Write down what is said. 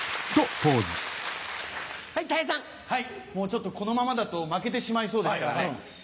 ちょっとこのままだと負けてしまいそうですからね。